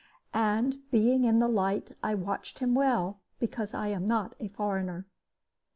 And, being in the light, I watched him well, because I am not a foreigner.